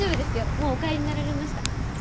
もうお帰りになられました。